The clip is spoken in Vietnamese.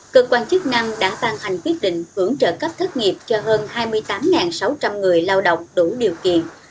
cơ quan chức năng đã ban hành quyết định hưởng trợ cấp thất nghiệp cho hơn hai mươi tám sáu trăm linh người lao động đủ điều kiện